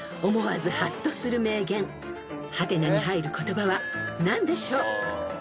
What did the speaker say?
思わずハッとする名言「？」に入る言葉は何でしょう？］